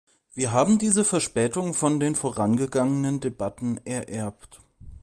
Wir haben diese Verspätung von den vorangegangenen Debatten ererbt.